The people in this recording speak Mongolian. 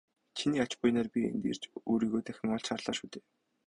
Чиний ач буянаар би энд ирж өөрийгөө дахин олж харлаа шүү дээ.